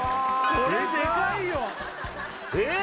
これデカいよえっ！